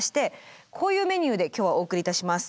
こういうメニューで今日はお送りいたします。